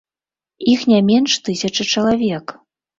Іх не менш тысячы чалавек.